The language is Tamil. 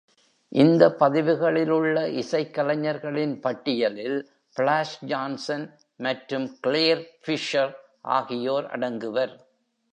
இந்த பதிவுகளில் உள்ள இசைக்கலைஞர்களின் பட்டியலில் பிளாஸ் ஜான்சன் மற்றும் கிளேர் பிஷ்ஷர் ஆகியோர் அடங்குவர்